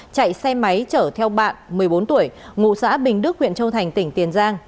chạy xe máy chở theo bạn một mươi bốn tuổi ngụ xã bình đức huyện châu thành tỉnh tiền giang